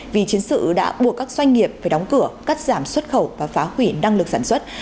vì chiến sự đã buộc các doanh nghiệp phải đóng cửa cắt giảm xuất khẩu và phá hủy năng lực sản xuất